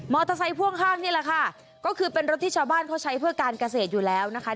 พ่วงข้างนี่แหละค่ะก็คือเป็นรถที่ชาวบ้านเขาใช้เพื่อการเกษตรอยู่แล้วนะคะ